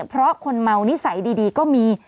เพราะคนเมานิสัยดีก็มี